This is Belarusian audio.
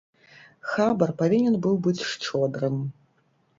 Хабар павінен быў быць шчодрым.